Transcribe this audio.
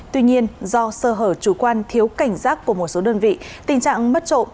tuy nhiên do sơ hở chủ quan thiếu cảnh giác của một số đơn vị tình trạng mất trộm